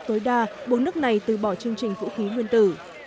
tối đa buộc nước này từ bỏ chương trình vũ khí nguyên tử